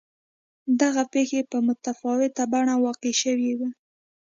دغه پېښې په متفاوته بڼه واقع شوې وای.